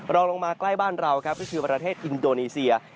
รองลงมาใกล้บ้านเราครับก็คือประเทศอินโดนีเซีย